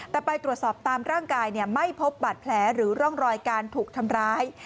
แต่ไปตรวจสอบตามร่างกายไม่พบบาดแผลหรือร่องรอยการถูกทำร้าย